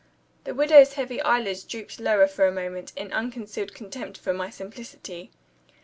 The widow's heavy eyelids drooped lower for a moment, in unconcealed contempt for my simplicity.